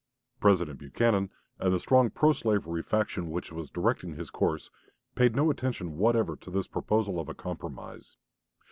President Buchanan and the strong pro slavery faction which was directing his course paid no attention whatever to this proposal of a compromise.